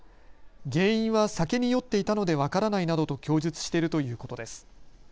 原因は酒に酔っていたので分からないなどと供述しているということです。